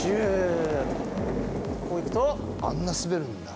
あんな滑るんだ。